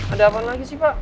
ada apa lagi sih pak